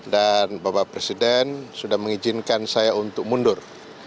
dan bapak presiden sudah mengizinkan saya untuk mundur